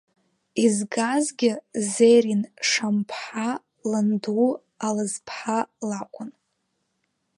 Изгазгьы Зеррин Шамԥҳа ланду Алазԥҳа лакәын.